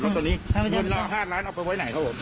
แล้วตอนนี้เงินละห้าล้านเอาไปไว้ไหนครับผม